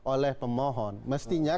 oleh pemohon mestinya